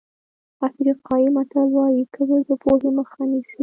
افریقایي متل وایي کبر د پوهې مخه نیسي.